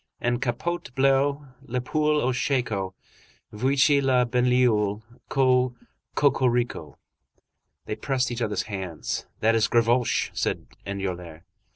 En capote bleue, La poule au shako, Voici la banlieue! Co cocorico!54 They pressed each other's hands. "That is Gavroche," said Enjolras.